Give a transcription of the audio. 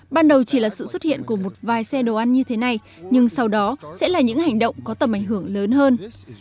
ban đầu chỉ là sự xuất hiện của một vài xe đồ ăn như thế này nhưng sau đó sẽ là những hành động có tầm ảnh hưởng lớn hơn